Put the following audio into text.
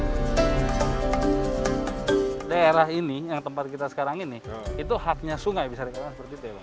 daerah ini yang tempat kita sekarang ini itu haknya sungai bisa dikatakan seperti itu ya pak